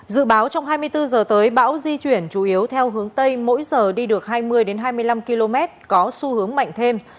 dự báo trong hai mươi bốn h tới bão di chuyển chủ yếu theo hướng tây mỗi giờ đi được hai mươi hai mươi năm km có xu hướng mạnh thêm